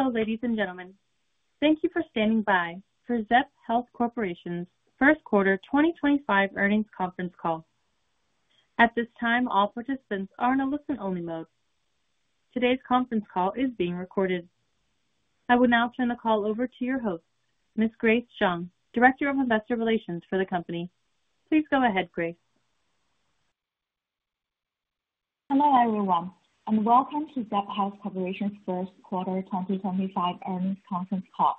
Hello, ladies and gentlemen. Thank you for standing by for Zepp Health Corporation's first quarter 2025 earnings conference call. At this time, all participants are in a listen-only mode. Today's conference call is being recorded. I will now turn the call over to your host, Ms. Grace Zhang, Director of Investor Relations for the company. Please go ahead, Grace. Hello, everyone, and welcome to Zepp Health Corporation's first quarter 2025 earnings conference call.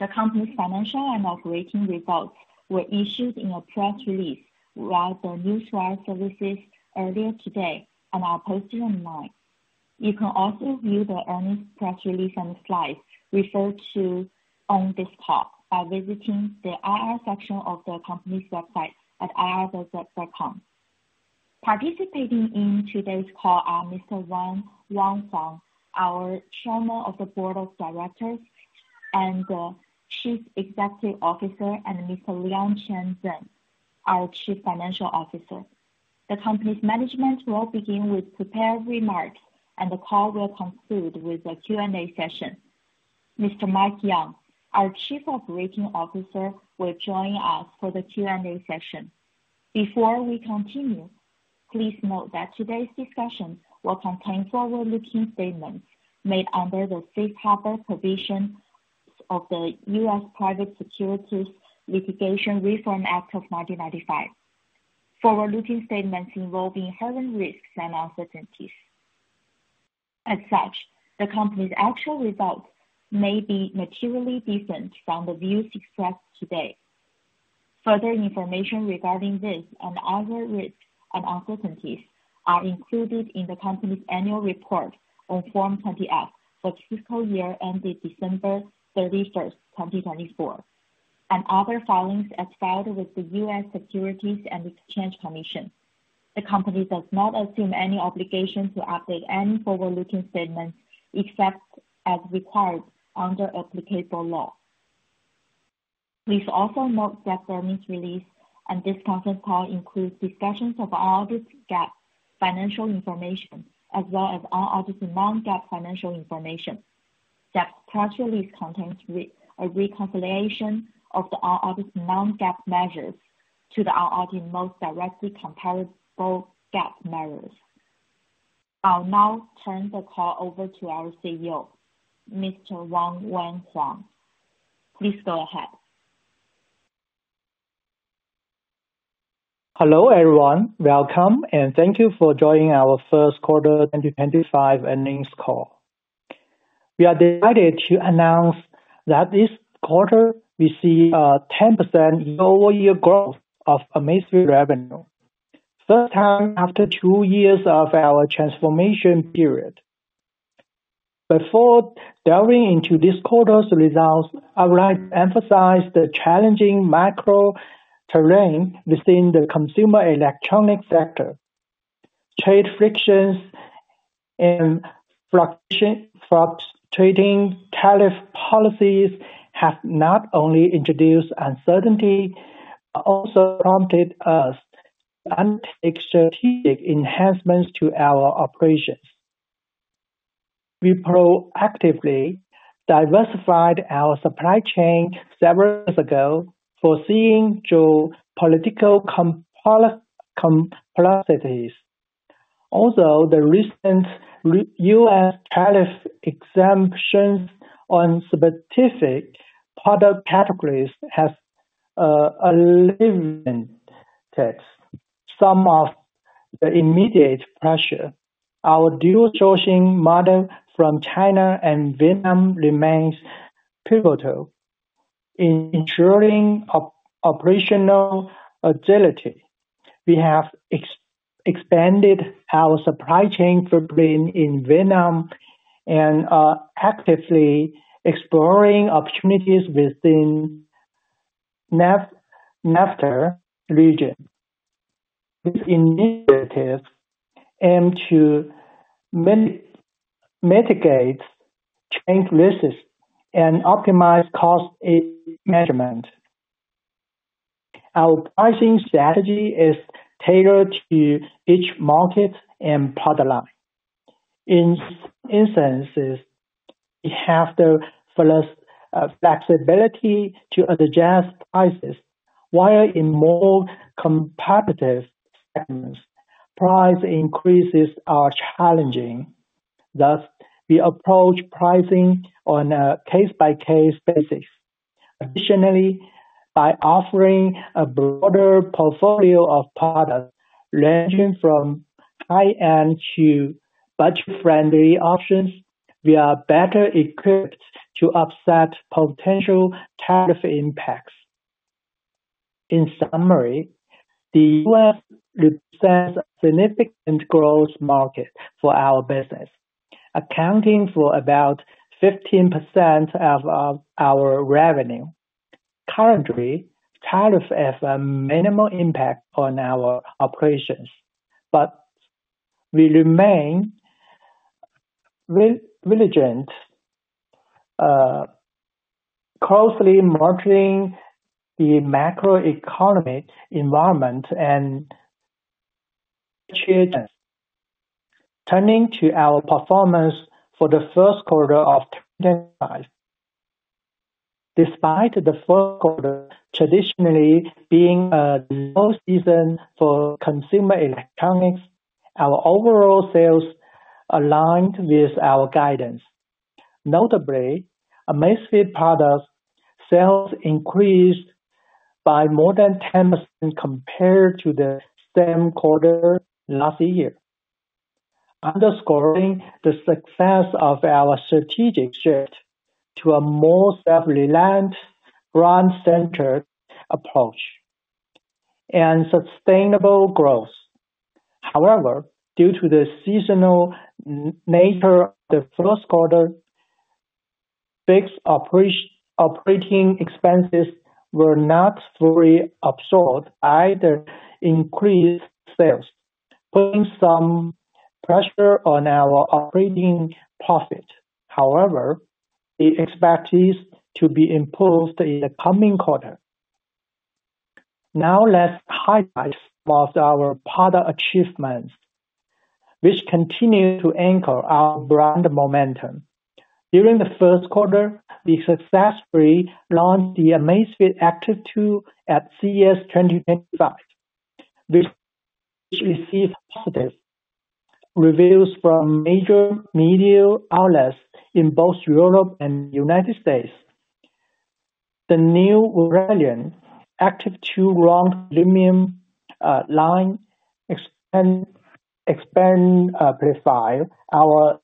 The company's financial and operating results were issued in a press release via the newswire services earlier today and are posted online. You can also view the earnings press release and the slides referred to on this call by visiting the IR section of the company's website at ir@zepp.com. Participating in today's call are Mr. Wayne Wang Huang, our Chairman of the Board of Directors and the Chief Executive Officer, and Mr. Leon Cheng Deng, our Chief Financial Officer. The company's management will begin with prepared remarks, and the call will conclude with a Q&A session. Mr. Mike Yeung, our Chief Operating Officer, will join us for the Q&A session. Before we continue, please note that today's discussion will contain forward-looking statements made under the safe harbor provision of the U.S. Private Securities Litigation Reform Act of 1995. Forward-looking statements involving current risks and uncertainties. As such, the company's actual results may be materially different from the views expressed today. Further information regarding this and other risks and uncertainties are included in the company's annual report on Form 20-F for the fiscal year ended December 31st, 2024, and other filings as filed with the U.S. Securities and Exchange Commission. The company does not assume any obligation to update any forward-looking statements except as required under applicable law. Please also note that the earnings release and this conference call include discussions of all audited GAAP financial information, as well as all audited non-GAAP financial information. Zepp's press release contains a reconciliation of the audited non-GAAP measures to the audited most directly comparable GAAP measures. I'll now turn the call over to our CEO, Mr. Wayne Wang Huang. Please go ahead. Hello, everyone. Welcome, and thank you for joining our first quarter 2025 earnings call. We are delighted to announce that this quarter we see a 10% year-over-year growth of amazing revenue, the first time after two years of our transformation period. Before delving into this quarter's results, I would like to emphasize the challenging macro terrain within the consumer electronics sector. Trade frictions and fluctuating tariff policies have not only introduced uncertainty but also prompted us to undertake strategic enhancements to our operations. We proactively diversified our supply chain several years ago, foreseeing geopolitical complexities. Although the recent U.S. tariff exemptions on specific product categories have alleviated some of the immediate pressure, our dual-sourcing model from China and Vietnam remains pivotal in ensuring operational agility. We have expanded our supply chain footprint in Vietnam and are actively exploring opportunities within the NAFTA region. This initiative aims to mitigate change risks and optimize cost management. Our pricing strategy is tailored to each market and product line. In some instances, we have the flexibility to adjust prices, while in more competitive segments, price increases are challenging. Thus, we approach pricing on a case-by-case basis. Additionally, by offering a broader portfolio of products ranging from high-end to budget-friendly options, we are better equipped to offset potential tariff impacts. In summary, the U.S. represents a significant growth market for our business, accounting for about 15% of our revenue. Currently, tariffs have a minimal impact on our operations, but we remain diligent, closely monitoring the macroeconomic environment and trends, turning to our performance for the first quarter of 2025. Despite the fourth quarter traditionally being the most seasoned for consumer electronics, our overall sales aligned with our guidance. Notably, Amazfit product sales increased by more than 10% compared to the same quarter last year, underscoring the success of our strategic shift to a more self-reliant, brand-centered approach and sustainable growth. However, due to the seasonal nature of the first quarter, fixed operating expenses were not fully absorbed, either increased sales, putting some pressure on our operating profit. However, the expectation is to be improved in the coming quarter. Now, let's highlight some of our product achievements, which continue to anchor our brand momentum. During the first quarter, we successfully launched the Amazfit Active 2 at CES 2025, which received positive reviews from major media outlets in both Europe and the United States. The new brilliant Active 2 (Round) Premium line expanded our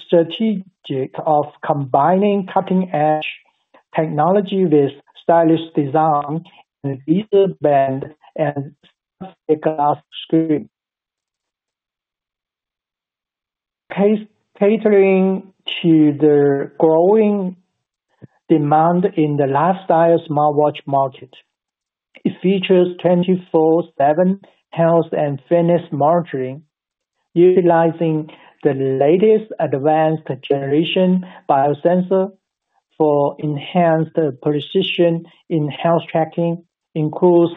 strategic of combining cutting-edge technology with stylish design and leather band and glass screen, catering to the growing demand in the lifestyle smartwatch market. It features 24/7 health and fitness monitoring, utilizing the latest advanced generation biosensor for enhanced precision in health tracking, includes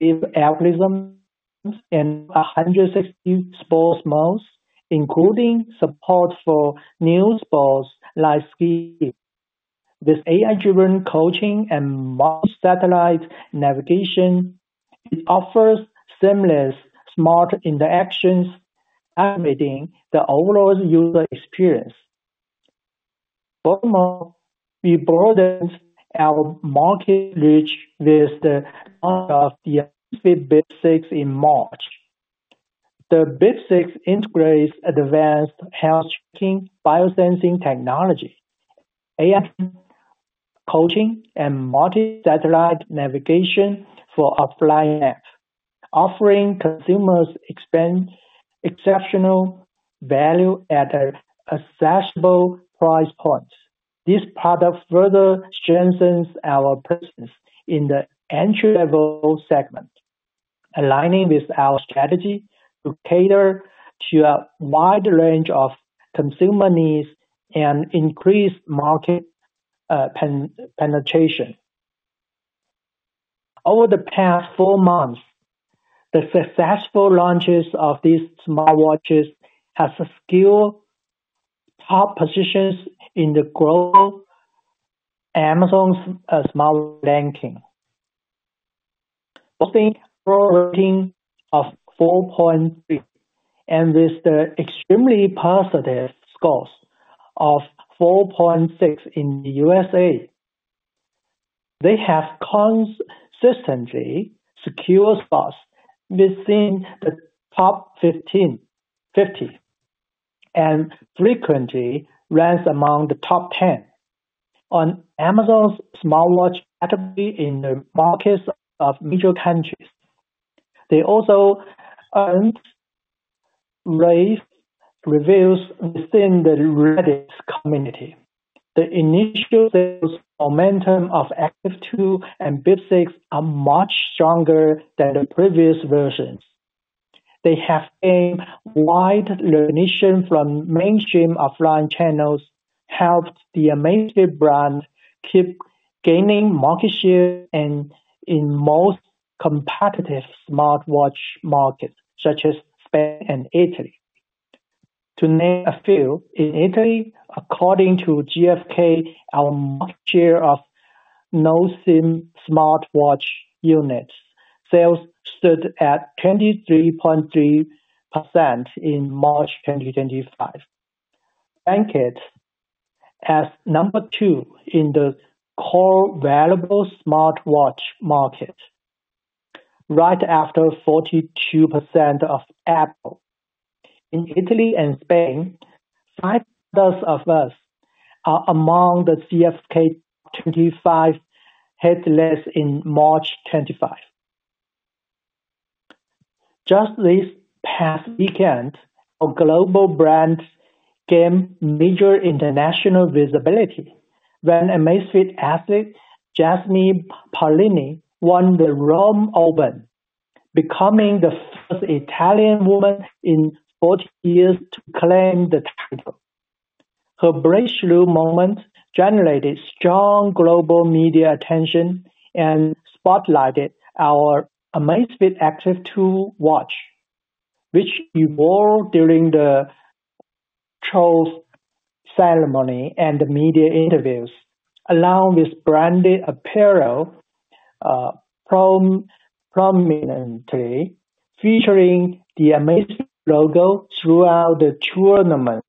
improved sleep algorithms and 160 sports modes, including support for new sports like skiing. With AI-driven coaching and multi-satellite navigation, it offers seamless smart interactions, elevating the overall user experience. Furthermore, we broadened our market reach with the launch of the amazing Bip 6 in March. The Bip 6 integrates advanced health tracking, biosensing technology, AI coaching, and multi-satellite navigation for offline apps, offering consumers exceptional value at an accessible price point. This product further strengthens our presence in the entry-level segment, aligning with our strategy to cater to a wide range of consumer needs and increase market penetration. Over the past four months, the successful launches of these smartwatches have secured top positions in the global Amazon's smartwatch ranking, boosting a rating of 4.3, and with the extremely positive scores of 4.6 in the U.S. They have consistently secured spots within the top 50 and frequently ranked among the top 10 on Amazon's smartwatch ranking in the markets of major countries. They also earned rave reviews within the Reddit community. The initial sales momentum of Active 2 and Bip 6 are much stronger than the previous versions. They have gained wide recognition from mainstream offline channels, helped the Amazfit brand keep gaining market share in most competitive smartwatch markets, such as Spain and Italy. To name a few, in Italy, according to GFK, our market share of NoSIM smartwatch units sales stood at 23.3% in March 2025, ranked as number two in the core wearable smartwatch market, right after 42% of Apple. In Italy and Spain, five products of us are among the GFK Top 25 head lists in March 2025. Just this past weekend, a global brand gained major international visibility when amazing athlete Jasmine Paolini won the Rome Open, becoming the first Italian woman in 40 years to claim the title. Her breakthrough moment generated strong global media attention and spotlighted our amazing Active 2 watch, which evolved during the trophies ceremony and media interviews, along with branded apparel prominently featuring the amazing logo throughout the tournament.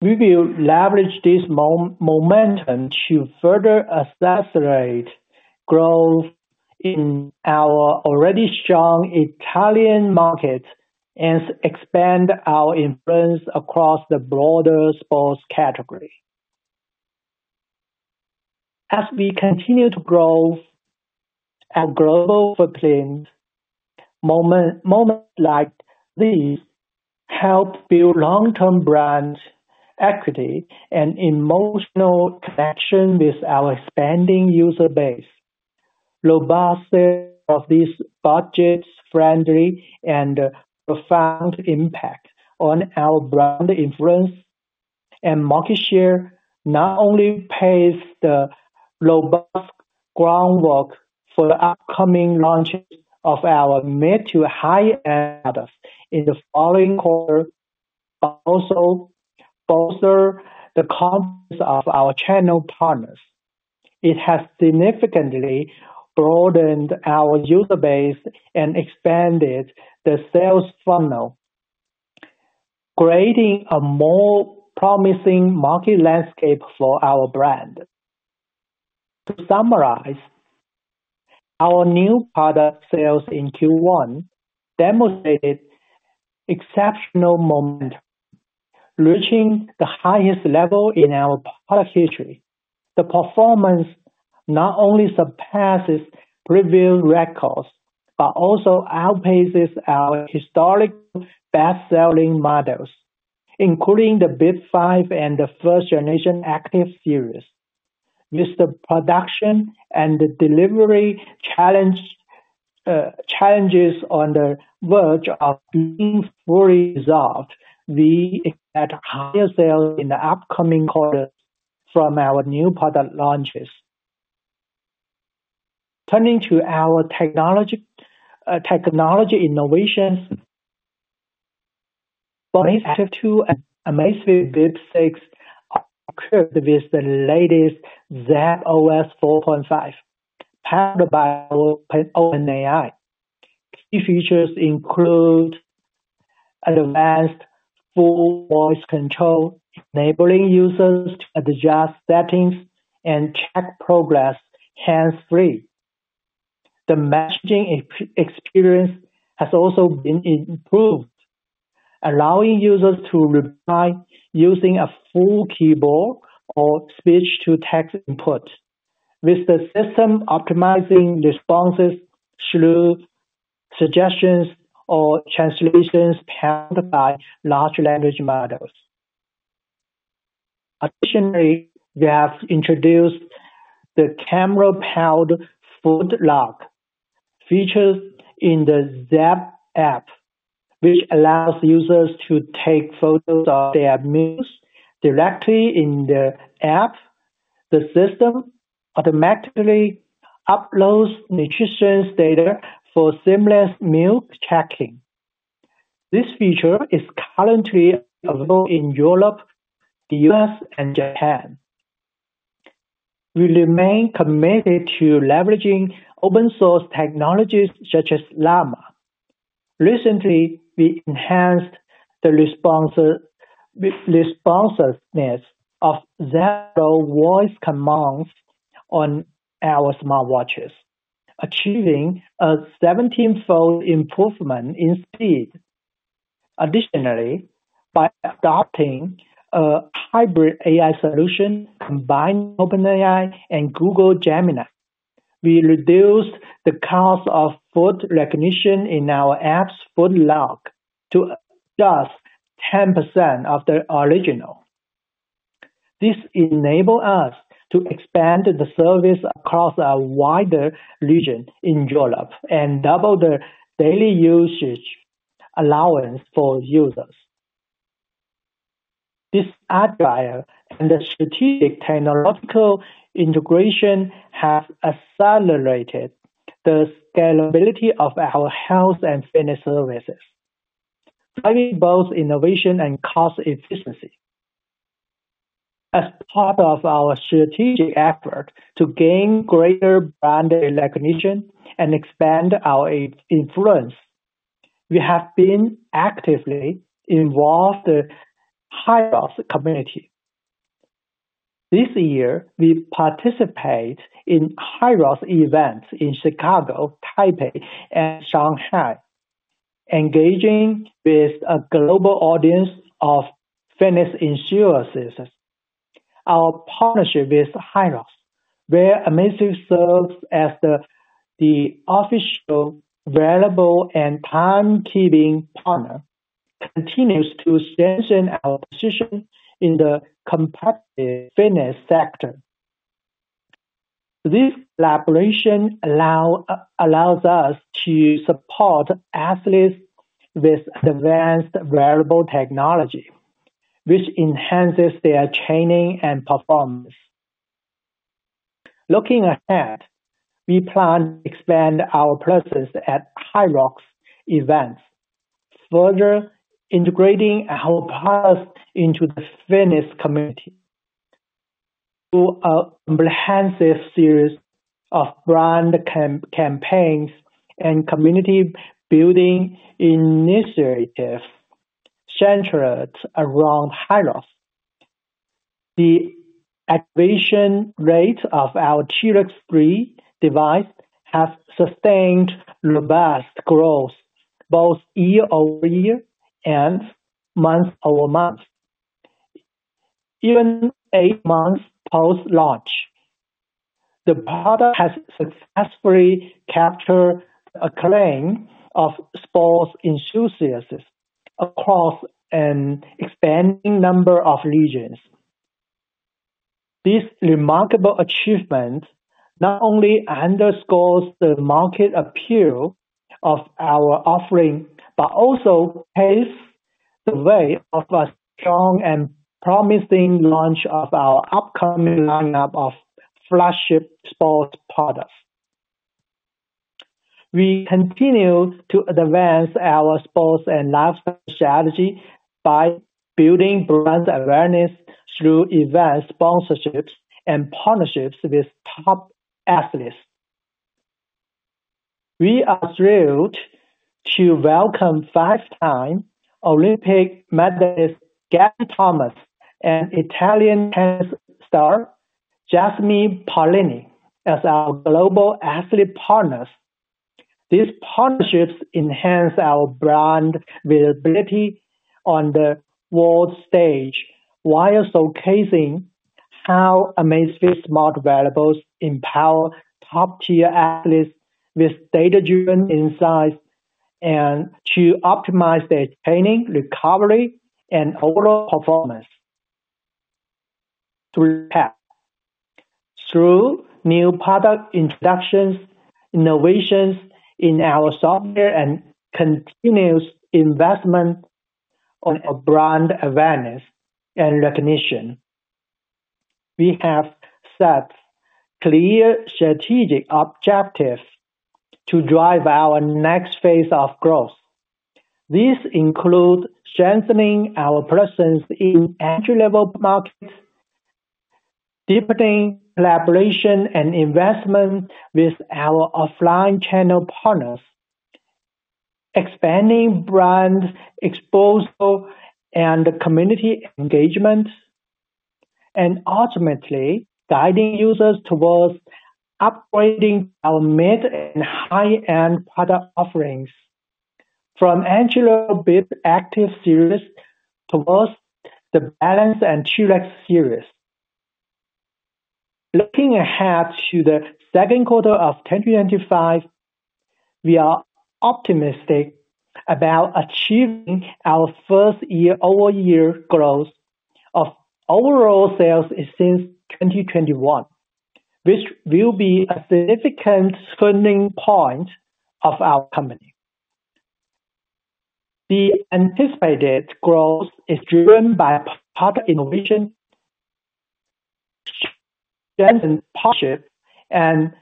We will leverage this momentum to further accelerate growth in our already strong Italian market and expand our influence across the broader sports category. As we continue to grow our global footprint, moments like these help build long-term brand equity and emotional connection with our expanding user base. Robust sales of these budget-friendly and profound impact on our brand influence and market share not only paves the robust groundwork for the upcoming launch of our mid to high-end products in the following quarter, but also bolsters the confidence of our channel partners. It has significantly broadened our user base and expanded the sales funnel, creating a more promising market landscape for our brand. To summarize, our new product sales in Q1 demonstrated exceptional momentum, reaching the highest level in our product history. The performance not only surpasses previous records but also outpaces our historic best-selling models, including the Bip 5 and the first-generation Active series. With the production and delivery challenges on the verge of being fully resolved, we expect higher sales in the upcoming quarter from our new product launches. Turning to our technology innovations, both Active 2 and Amazfit Bip 6 are equipped with the latest Zepp OS 4.5, powered by OpenAI. Key features include advanced full voice control, enabling users to adjust settings and check progress hands-free. The messaging experience has also been improved, allowing users to reply using a full keyboard or speech-to-text input, with the system optimizing responses through suggestions or translations powered by large language models. Additionally, we have introduced the camera-powered food log feature in the Zepp Health app, which allows users to take photos of their meals directly in the app. The system automatically uploads nutrition data for seamless meal tracking. This feature is currently available in Europe, the U.S., and Japan. We remain committed to leveraging open-source technologies such as Llama. Recently, we enhanced the responsiveness of Zepp Health voice commands on our smartwatches, achieving a 17-fold improvement in speed. Additionally, by adopting a hybrid AI solution combining OpenAI and Google Gemini, we reduced the cost of foot recognition in our app's foot log to just 10% of the original. This enables us to expand the service across a wider region in Europe and double the daily usage allowance for users. This agile and strategic technological integration has accelerated the scalability of our health and fitness services, driving both innovation and cost efficiency. As part of our strategic effort to gain greater brand recognition and expand our influence, we have been actively involved in the HYROX community. This year, we participated in HYROX events in Chicago, Taipei, and Shanghai, engaging with a global audience of fitness enthusiasts. Our partnership with HYROX, where Amazfit serves as the official wearable and timekeeping partner, continues to strengthen our position in the competitive fitness sector. This collaboration allows us to support athletes with advanced wearable technology, which enhances their training and performance. Looking ahead, we plan to expand our presence at HYROX events, further integrating our products into the fitness community through a comprehensive series of brand campaigns and community building initiatives centered around HYROX. The activation rate of our T-Rex 3 device has sustained robust growth both year over year and month over month. Even eight months post-launch, the product has successfully captured the acclaim of sports enthusiasts across an expanding number of regions. This remarkable achievement not only underscores the market appeal of our offering but also paves the way for a strong and promising launch of our upcoming lineup of flagship sports products. We continue to advance our sports and lifestyle strategy by building brand awareness through event sponsorships and partnerships with top athletes. We are thrilled to welcome five-time Olympic medalist Gabby Thomas and Italian tennis star Jasmine Paolini as our global athlete partners. These partnerships enhance our brand visibility on the world stage while showcasing how amazing smart wearables empower top-tier athletes with data-driven insights to optimize their training, recovery, and overall performance. To repay, through new product introductions, innovations in our software, and continuous investment on our brand awareness and recognition, we have set clear strategic objectives to drive our next phase of growth. These include strengthening our presence in entry-level markets, deepening collaboration and investment with our offline channel partners, expanding brand exposure and community engagement, and ultimately guiding users towards upgrading our mid and high-end product offerings from entry-level Bip Active series towards the Balance and T-Rex series. Looking ahead to the second quarter of 2025, we are optimistic about achieving our first year-over-year growth of overall sales since 2021, which will be a significant turning point for our company. The anticipated growth is driven by product innovation, strengthened partnerships, and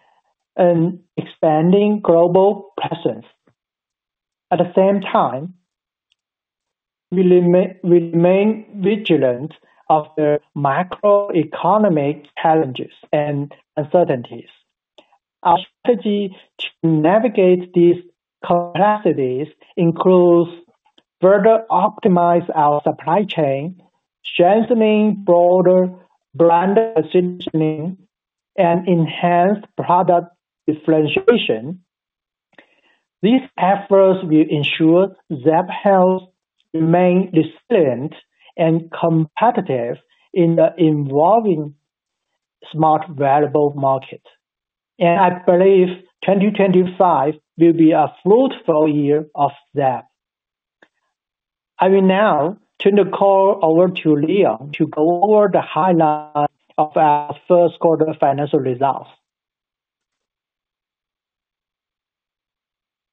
an expanding global presence. At the same time, we remain vigilant of the macroeconomic challenges and uncertainties. Our strategy to navigate these complexities includes further optimizing our supply chain, strengthening broader brand positioning, and enhanced product differentiation. These efforts will ensure Zepp Health remains resilient and competitive in the evolving smart wearable market. I believe 2025 will be a fruitful year for Zepp. I will now turn the call over to Leon to go over the highlights of our first quarter financial results.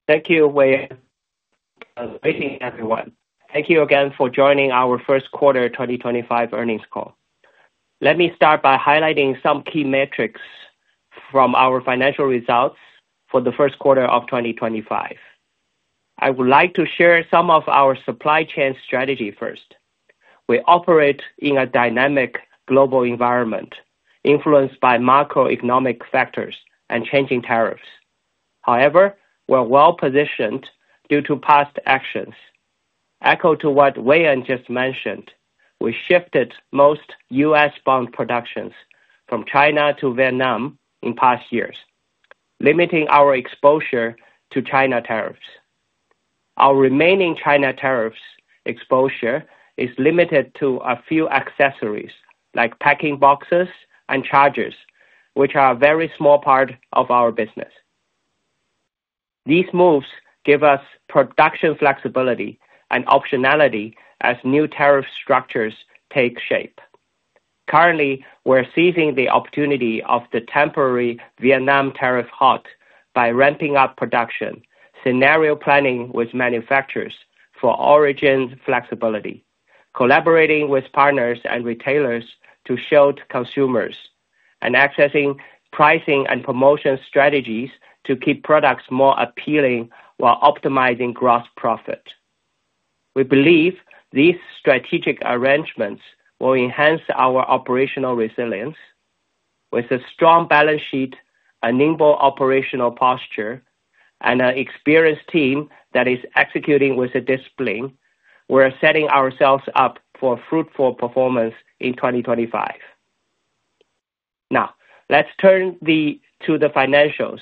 Thank you, Wayne. Greetings, everyone. Thank you again for joining our first quarter 2025 earnings call. Let me start by highlighting some key metrics from our financial results for the first quarter of 2025. I would like to share some of our supply chain strategy first. We operate in a dynamic global environment influenced by macroeconomic factors and changing tariffs. However, we're well-positioned due to past actions. Echo to what Wang just mentioned, we shifted most U.S.-bound productions from China to Vietnam in past years, limiting our exposure to China tariffs. Our remaining China tariffs exposure is limited to a few accessories like packing boxes and chargers, which are a very small part of our business. These moves give us production flexibility and optionality as new tariff structures take shape. Currently, we're seizing the opportunity of the temporary Vietnam tariff halt by ramping up production, scenario planning with manufacturers for origin flexibility, collaborating with partners and retailers to shield consumers, and accessing pricing and promotion strategies to keep products more appealing while optimizing gross profit. We believe these strategic arrangements will enhance our operational resilience. With a strong balance sheet, a nimble operational posture, and an experienced team that is executing with discipline, we're setting ourselves up for fruitful performance in 2025. Now, let's turn to the financials.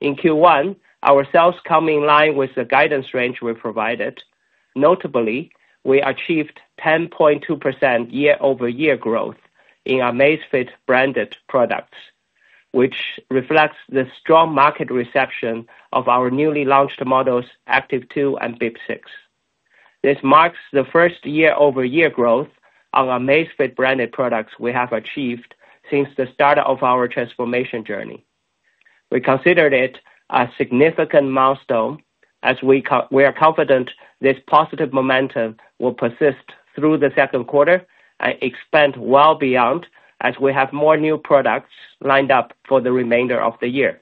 In Q1, our sales come in line with the guidance range we provided. Notably, we achieved 10.2% year-over-year growth in Amazfit branded products, which reflects the strong market reception of our newly launched models, Active 2 and Bip 6. This marks the first year-over-year growth on Amazfit branded products we have achieved since the start of our transformation journey. We consider it a significant milestone as we are confident this positive momentum will persist through the second quarter and expand well beyond as we have more new products lined up for the remainder of the year.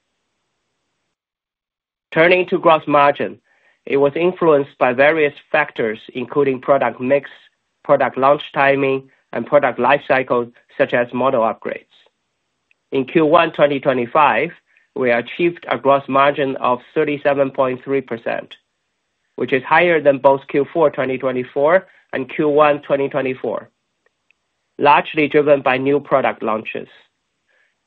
Turning to gross margin, it was influenced by various factors, including product mix, product launch timing, and product lifecycle such as model upgrades. In Q1 2025, we achieved a gross margin of 37.3%, which is higher than both Q4 2024 and Q1 2024, largely driven by new product launches.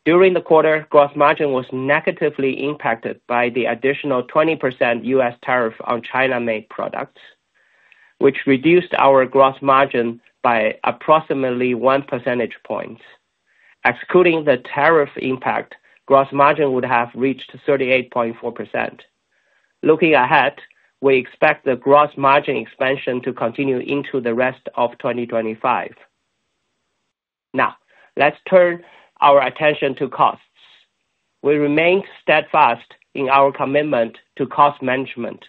During the quarter, gross margin was negatively impacted by the additional 20% U.S. tariff on China-made products, which reduced our gross margin by approximately 1% point. Excluding the tariff impact, gross margin would have reached 38.4%. Looking ahead, we expect the gross margin expansion to continue into the rest of 2025. Now, let's turn our attention to costs. We remain steadfast in our commitment to cost management,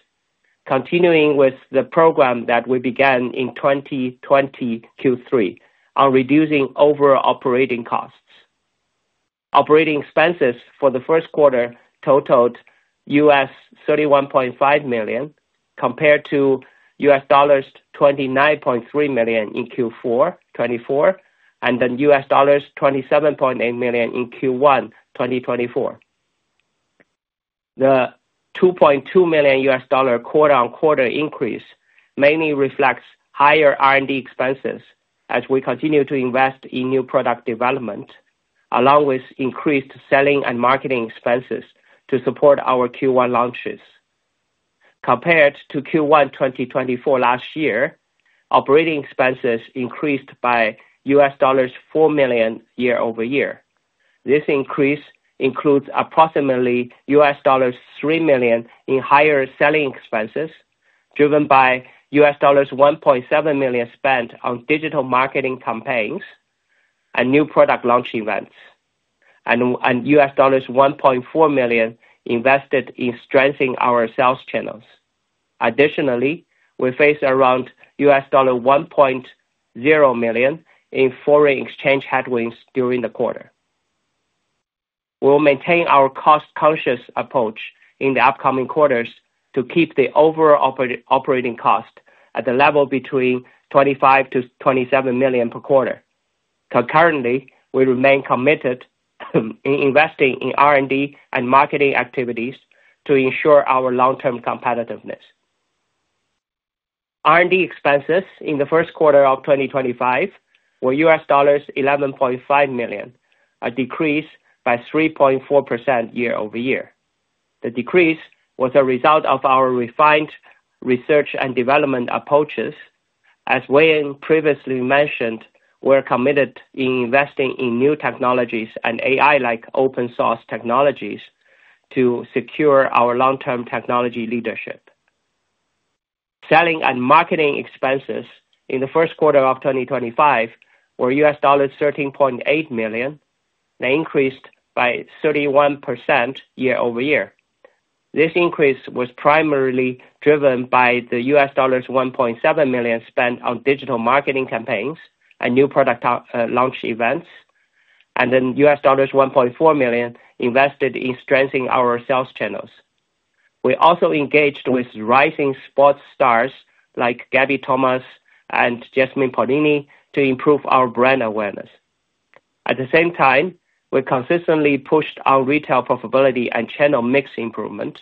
continuing with the program that we began in 2020 Q3 on reducing overall operating costs. Operating expenses for the first quarter totaled $31.5 million compared to $29.3 million in Q4 2024 and then $27.8 million in Q1 2024. The $2.2 million quarter-on-quarter increase mainly reflects higher R&D expenses as we continue to invest in new product development, along with increased selling and marketing expenses to support our Q1 launches. Compared to Q1 2024 last year, operating expenses increased by $4 million year-over-year. This increase includes approximately $3 million in higher selling expenses driven by $1.7 million spent on digital marketing campaigns and new product launch events, and $1.4 million invested in strengthening our sales channels. Additionally, we faced around $1.0 million in foreign exchange headwinds during the quarter. We will maintain our cost-conscious approach in the upcoming quarters to keep the overall operating cost at the level between $25-$27 million per quarter. Concurrently, we remain committed to investing in R&D and marketing activities to ensure our long-term competitiveness. R&D expenses in the first quarter of 2025 were $11.5 million, a decrease by 3.4% year-over-year. The decrease was a result of our refined research and development approaches. As Wayne previously mentioned, we're committed to investing in new technologies and AI-like open-source technologies to secure our long-term technology leadership. Selling and marketing expenses in the first quarter of 2025 were $13.8 million, an increase by 31% year-over-year. This increase was primarily driven by the $1.7 million spent on digital marketing campaigns and new product launch events, and then $1.4 million invested in strengthening our sales channels. We also engaged with rising sports stars like Gabby Thomas and Jasmine Paolini to improve our brand awareness. At the same time, we consistently pushed our retail profitability and channel mix improvement.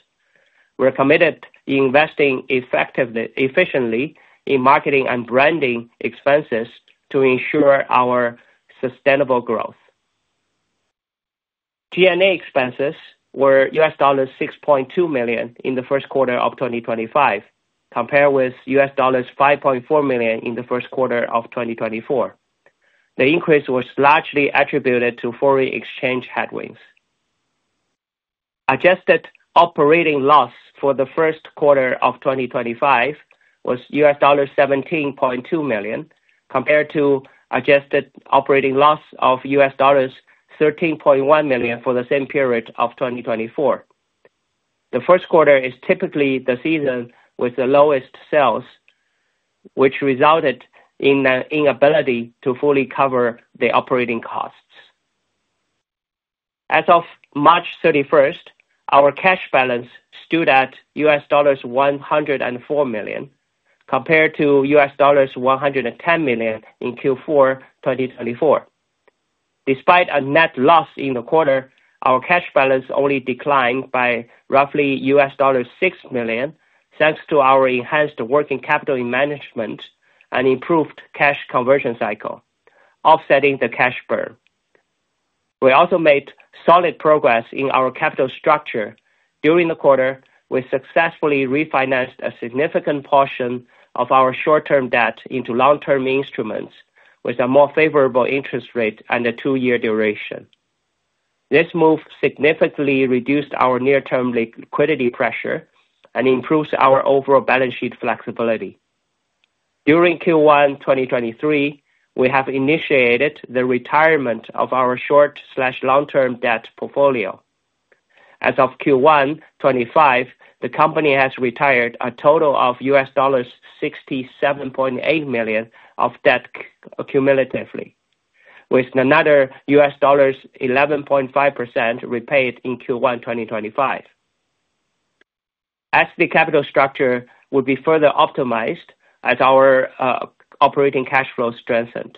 We're committed to investing effectively and efficiently in marketing and branding expenses to ensure our sustainable growth. G&A expenses were $6.2 million in the first quarter of 2025, compared with $5.4 million in the first quarter of 2024. The increase was largely attributed to foreign exchange headwinds. Adjusted operating loss for the first quarter of 2025 was $17.2 million compared to adjusted operating loss of $13.1 million for the same period of 2024. The first quarter is typically the season with the lowest sales, which resulted in the inability to fully cover the operating costs. As of March 31, our cash balance stood at $104 million compared to $110 million in Q4 2024. Despite a net loss in the quarter, our cash balance only declined by roughly $6 million thanks to our enhanced working capital management and improved cash conversion cycle, offsetting the cash burn. We also made solid progress in our capital structure. During the quarter, we successfully refinanced a significant portion of our short-term debt into long-term instruments with a more favorable interest rate and a two-year duration. This move significantly reduced our near-term liquidity pressure and improved our overall balance sheet flexibility. During Q1 2023, we have initiated the retirement of our short/long-term debt portfolio. As of Q1 2025, the company has retired a total of $67.8 million of debt cumulatively, with another $11.5 million repaid in Q1 2025. As the capital structure would be further optimized as our operating cash flow strengthened,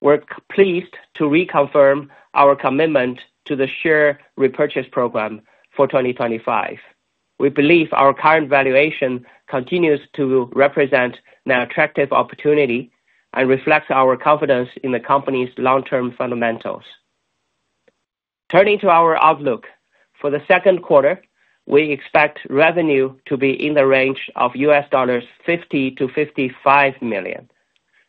we're pleased to reconfirm our commitment to the share repurchase program for 2025. We believe our current valuation continues to represent an attractive opportunity and reflects our confidence in the company's long-term fundamentals. Turning to our outlook for the second quarter, we expect revenue to be in the range of $50 million-$55 million,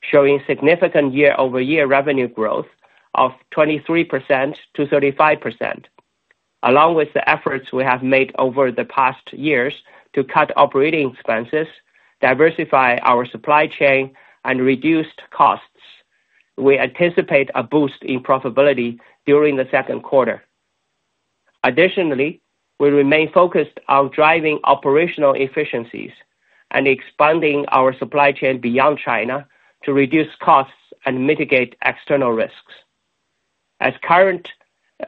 showing significant year-over-year revenue growth of 23%-35%, along with the efforts we have made over the past years to cut operating expenses, diversify our supply chain, and reduce costs. We anticipate a boost in profitability during the second quarter. Additionally, we remain focused on driving operational efficiencies and expanding our supply chain beyond China to reduce costs and mitigate external risks.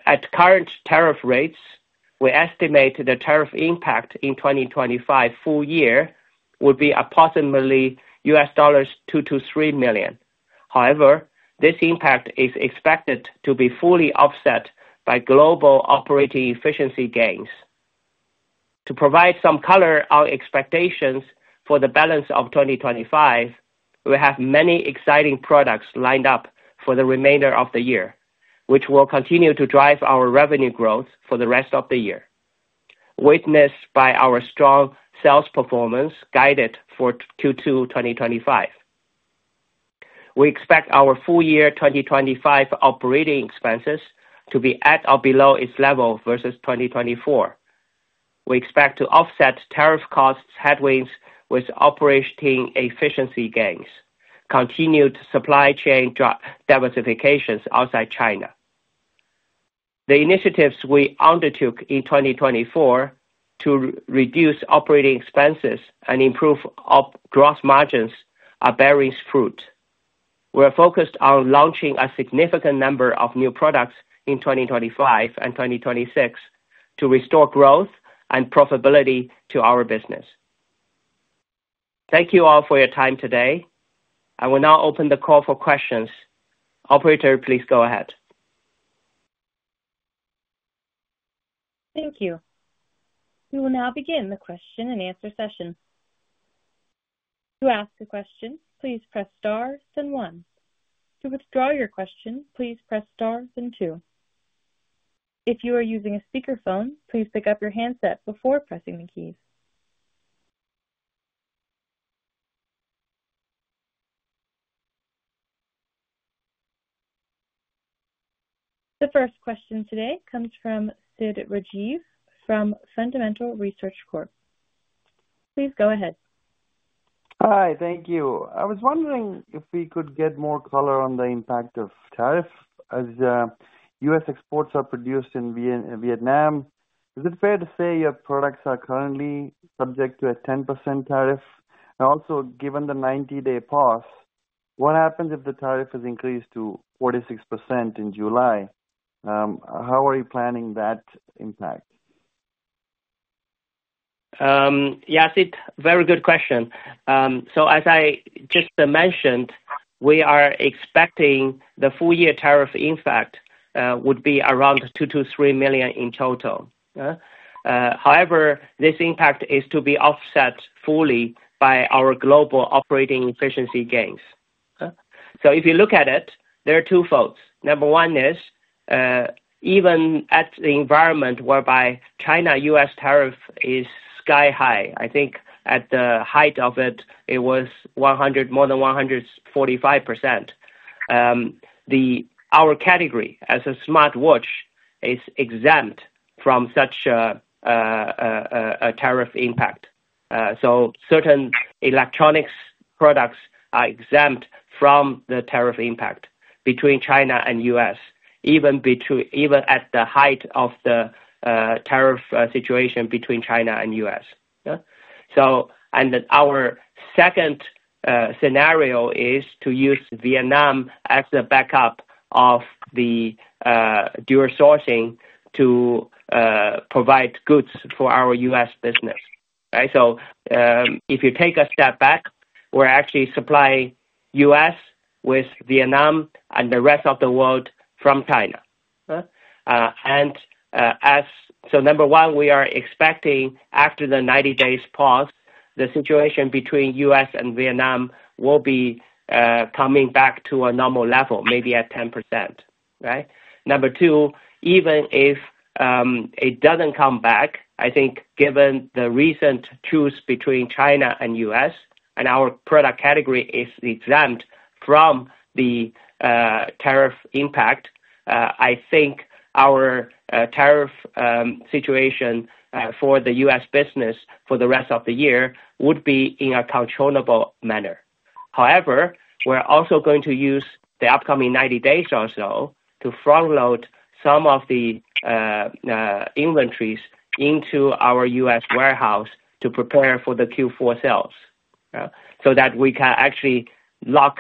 At current tariff rates, we estimate the tariff impact in 2025 full year would be approximately $2-3 million. However, this impact is expected to be fully offset by global operating efficiency gains. To provide some color on expectations for the balance of 2025, we have many exciting products lined up for the remainder of the year, which will continue to drive our revenue growth for the rest of the year, witnessed by our strong sales performance guided for Q2 2025. We expect our full year 2025 operating expenses to be at or below its level versus 2024. We expect to offset tariff cost headwinds with operating efficiency gains, continued supply chain diversifications outside China. The initiatives we undertook in 2024 to reduce operating expenses and improve gross margins are bearing fruit. We're focused on launching a significant number of new products in 2025 and 2026 to restore growth and profitability to our business. Thank you all for your time today. I will now open the call for questions. Operator, please go ahead. Thank you. We will now begin the question and answer session. To ask a question, please press star, then one. To withdraw your question, please press star, then two. If you are using a speakerphone, please pick up your handset before pressing the keys. The first question today comes from Sid Rajeev from Fundamental Research Corp. Please go ahead. Hi, thank you. I was wondering if we could get more color on the impact of tariffs as U.S. exports are produced in Vietnam. Is it fair to say your products are currently subject to a 10% tariff? Also, given the 90-day pause, what happens if the tariff is increased to 46% in July? How are you planning that impact? Yes, Sid, very good question. As I just mentioned, we are expecting the full year tariff impact would be around $2-3 million in total. However, this impact is to be offset fully by our global operating efficiency gains. If you look at it, there are two folds. Number one is even at the environment whereby China-U.S. tariff is sky high. I think at the height of it, it was more than 145%. Our category as a smartwatch is exempt from such a tariff impact. Certain electronics products are exempt from the tariff impact between China and U.S., even at the height of the tariff situation between China and U.S. Our second scenario is to use Vietnam as a backup of the dual sourcing to provide goods for our U.S. business. If you take a step back, we're actually supplying U.S. with Vietnam and the rest of the world from China. Number one, we are expecting after the 90-day pause, the situation between U.S. and Vietnam will be coming back to a normal level, maybe at 10%. Number two, even if it doesn't come back, I think given the recent choose between China and U.S. and our product category is exempt from the tariff impact, I think our tariff situation for the U.S. business for the rest of the year would be in a controllable manner. However, we're also going to use the upcoming 90 days or so to front-load some of the inventories into our U.S. warehouse to prepare for the Q4 sales so that we can actually lock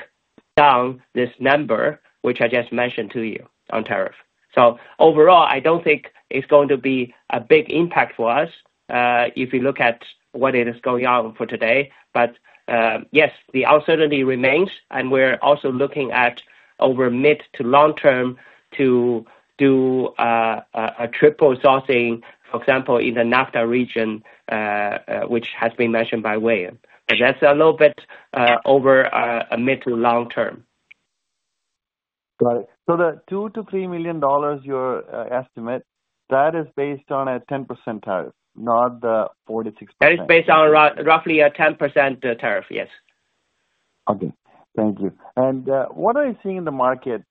down this number, which I just mentioned to you, on tariff. Overall, I don't think it's going to be a big impact for us if you look at what is going on for today. Yes, the uncertainty remains, and we're also looking at over mid to long-term to do a triple sourcing, for example, in the NAFTA region, which has been mentioned by Wayne. That's a little bit over a mid to long-term. Right. The $2-$3 million, your estimate, that is based on a 10% tariff, not the 46%? That is based on roughly a 10% tariff, yes. Okay. Thank you. What are you seeing in the market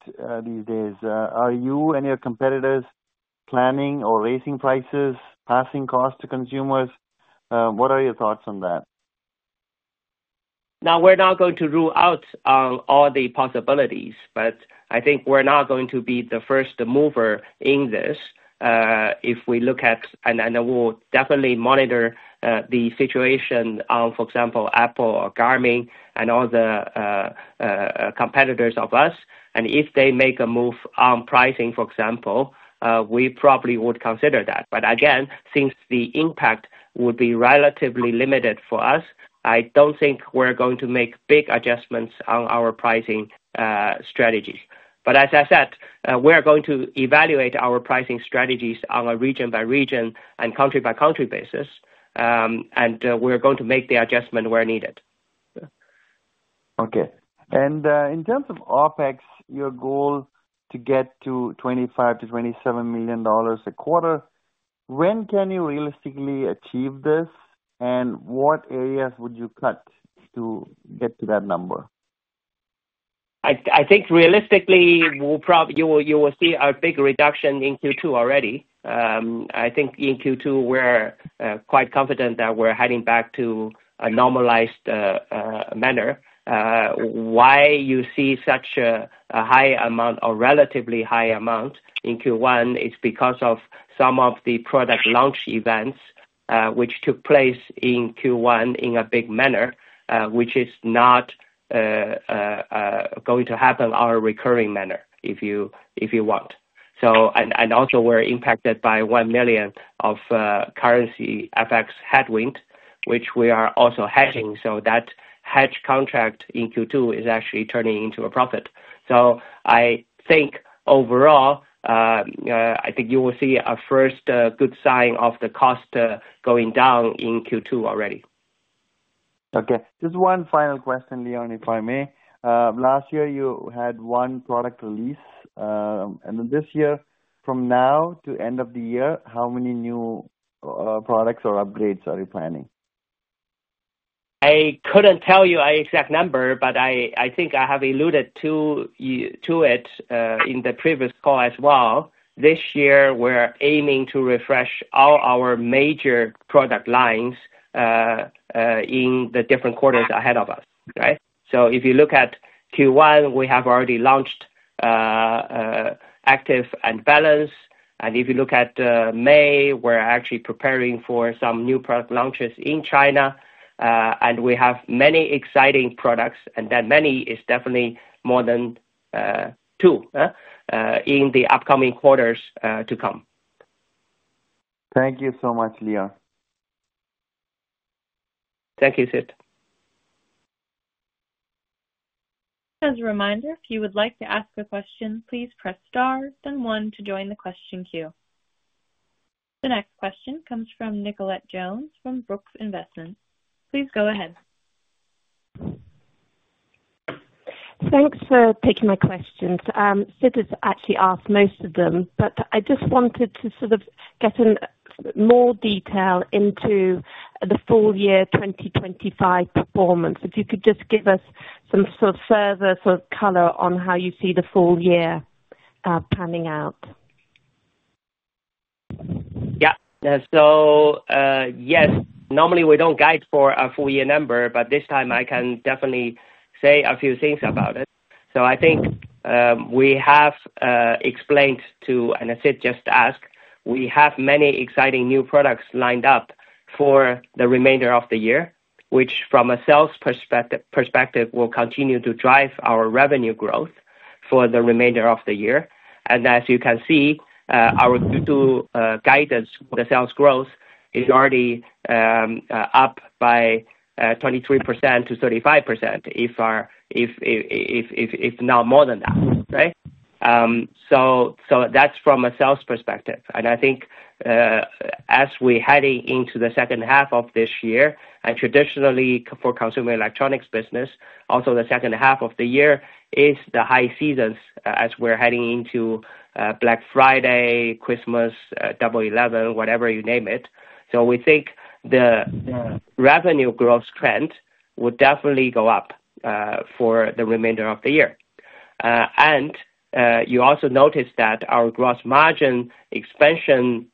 these days? Are you and your competitors planning or raising prices, passing costs to consumers? What are your thoughts on that? Now, we're not going to rule out all the possibilities, but I think we're not going to be the first mover in this if we look at, and we'll definitely monitor the situation on, for example, Apple or Garmin and all the competitors of us. If they make a move on pricing, for example, we probably would consider that. Again, since the impact would be relatively limited for us, I don't think we're going to make big adjustments on our pricing strategies. As I said, we're going to evaluate our pricing strategies on a region-by-region and country-by-country basis, and we're going to make the adjustment where needed. Okay. In terms of OpEx, your goal to get to $25-$27 million a quarter, when can you realistically achieve this, and what areas would you cut to get to that number? I think realistically, you will see a big reduction in Q2 already. I think in Q2, we're quite confident that we're heading back to a normalized manner. Why you see such a high amount or relatively high amount in Q1 is because of some of the product launch events which took place in Q1 in a big manner, which is not going to happen in our recurring manner, if you want. Also, we're impacted by $1 million of currency FX headwind, which we are also hedging. That hedge contract in Q2 is actually turning into a profit. I think overall, I think you will see a first good sign of the cost going down in Q2 already. Okay. Just one final question, Leon, if I may. Last year, you had one product release. And then this year, from now to end of the year, how many new products or upgrades are you planning? I could not tell you an exact number, but I think I have alluded to it in the previous call as well. This year, we are aiming to refresh all our major product lines in the different quarters ahead of us. If you look at Q1, we have already launched Active and Balance. If you look at May, we are actually preparing for some new product launches in China. We have many exciting products, and that many is definitely more than two in the upcoming quarters to come. Thank you so much, Leon. Thank you, Sid. As a reminder, if you would like to ask a question, please press star, then one to join the question queue. The next question comes from Nicolette Jones from Brooks Investments. Please go ahead. Thanks for taking my questions. Sid has actually asked most of them, but I just wanted to sort of get in more detail into the full year 2025 performance. If you could just give us some sort of further sort of color on how you see the full year panning out. Yeah. Yes, normally we do not guide for a full year number, but this time I can definitely say a few things about it. I think we have explained to, and as Sid just asked, we have many exciting new products lined up for the remainder of the year, which from a sales perspective will continue to drive our revenue growth for the remainder of the year. As you can see, our Q2 guidance for the sales growth is already up by 23%-35%, if not more than that. That is from a sales perspective. I think as we're heading into the second half of this year, and traditionally for consumer electronics business, also the second half of the year is the high seasons as we're heading into Black Friday, Christmas, Double 11, whatever you name it. We think the revenue growth trend would definitely go up for the remainder of the year. You also noticed that our gross margin expansion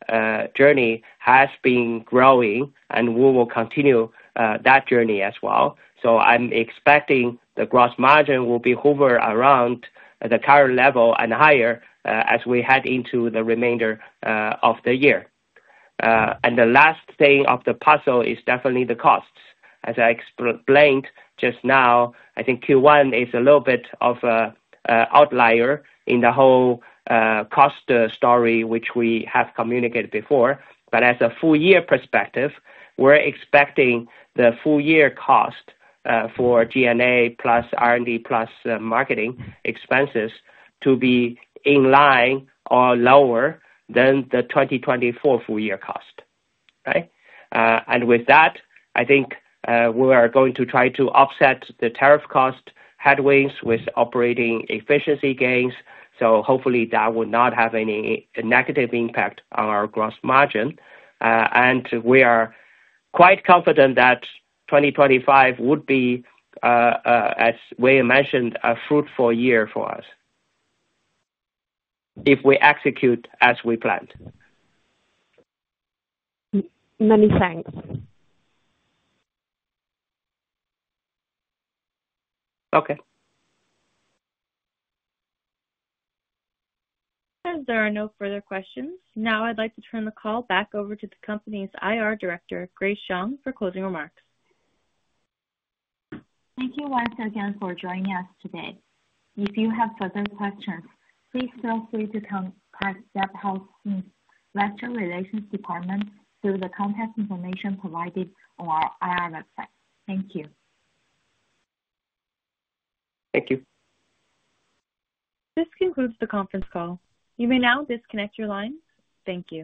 journey has been growing, and we will continue that journey as well. I am expecting the gross margin will hover around the current level and higher as we head into the remainder of the year. The last thing of the puzzle is definitely the costs. As I explained just now, I think Q1 is a little bit of an outlier in the whole cost story, which we have communicated before. As a full year perspective, we are expecting the full year cost for G&A plus R&D plus marketing expenses to be in line or lower than the 2024 full year cost. With that, I think we are going to try to offset the tariff cost headwinds with operating efficiency gains. Hopefully, that will not have any negative impact on our gross margin. We are quite confident that 2025 would be, as Wayne mentioned, a fruitful year for us if we execute as we planned. Many thanks. Okay. As there are no further questions, now I'd like to turn the call back over to the company's IR Director, Grace Zhang, for closing remarks. Thank you once again for joining us today. If you have further questions, please feel free to contact Zepp Health's Investor Relations Department through the contact information provided on our IR website. Thank you. Thank you. This concludes the conference call. You may now disconnect your lines. Thank you.